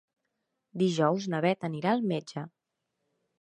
Dijous na Beth anirà al metge.